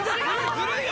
ずるいよ！